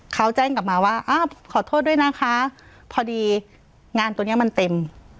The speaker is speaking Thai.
เขาแจ้งกลับมาว่าอ้าวขอโทษด้วยนะคะพอดีงานตัวเนี้ยมันเต็ม